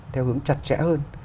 theo hướng chặt chẽ hơn